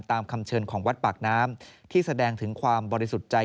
คำเชิญของวัดปากน้ำที่แสดงถึงความบริสุทธิ์ใจ